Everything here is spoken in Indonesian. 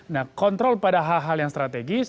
nah kontrol pada hal hal yang strategis